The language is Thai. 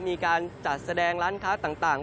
มีการจัดแสดงร้านค้าต่าง